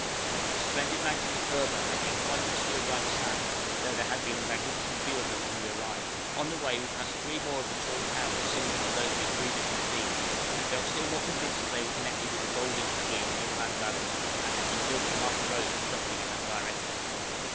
The splendid mountains of Erba had been quite obscured by the sand, though there had been a magnificent view of them when we arrived. On the way we passed three more of the tall towers similar to those we had previously seen, and felt still more convinced that they were connected with the gold industry in the inland valley, and had been built to mark the roads conducting in that direction.